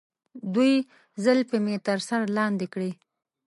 دوی زلفې مې تر سر لاندې کړي.